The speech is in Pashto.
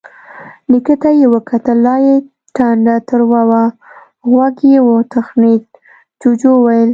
نيکه ته يې وکتل، لا يې ټنډه تروه وه. غوږ يې وتخڼېد، جُوجُو وويل: